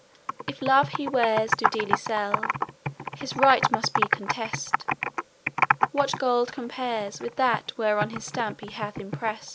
If Love his wares Do dearly sell, his right must be contest; What gold compares With that whereon his stamp he hath imprest?